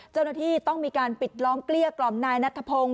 เจ้าหน้าที่ต้องมีการปิดล้อมเกลี้ยกล่อมนายนัทพงศ์